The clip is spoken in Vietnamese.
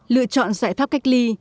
lựa chọn giải pháp cách ly